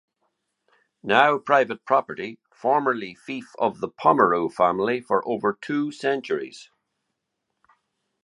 Now private property, formerly fief of the Pomereu family for over two centuries.